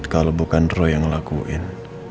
kalau bukan roy yang ngelakuin